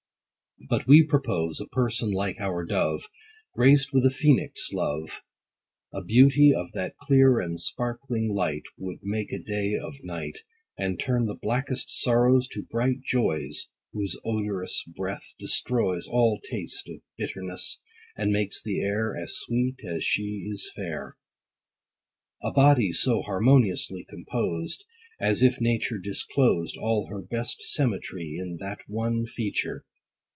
But we propose a person like our Dove, Graced with a Phoenix' love ; A beauty of that clear and sparkling light, Would make a day of night, And turn the blackest sorrows to bright joys ; Whose odorous breath destroys All taste of bitterness, and makes the air As sweet as she is fair. A body so harmoniously composed, 90 As if nature disclosed All her best symmetry in that one feature